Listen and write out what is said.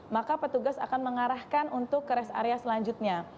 maka petugas akan mengarahkan untuk ke rest area selanjutnya